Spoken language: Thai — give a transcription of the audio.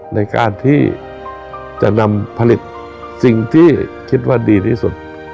ในการที่จะนำผลิตสิ่งที่คิดว่าดีที่สุด